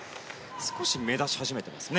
少し目立ち始めていますね。